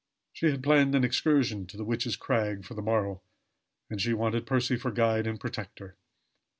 She had planned an excursion to the Witch's Crag for the morrow, and she wanted Percy for guide and protector.